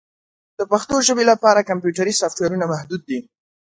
د پښتو ژبې لپاره کمپیوټري سافټویرونه محدود دي.